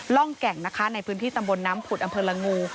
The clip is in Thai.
ร่องแก่งนะคะในพื้นที่ตำบลน้ำผุดอำเภอละงู